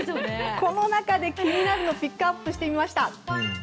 この中で気になるのをピックアップしてみました。